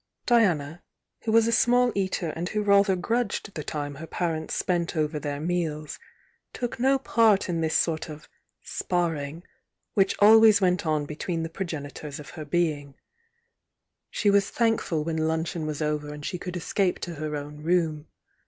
Diana, who was a small eater and who rather grudged the time her parents spent over their meals, took no part in this sort of "sparring," which always went on between the progenitors of her being. She i I THE YOUNG DIANA 27 was thankful when luncheon was over and she could escape to her own room.